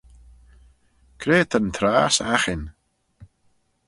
Cre ta'n trass aghin?